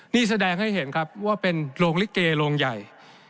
นี่แสดงให้เห็นครับว่าเป็นโรงลิเกโรงใหญ่